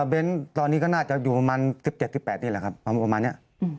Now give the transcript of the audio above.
เน้นตอนนี้ก็น่าจะอยู่ประมาณ๑๗๑๘นี่แหละครับประมาณนี้